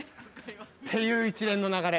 っていう一連の流れ。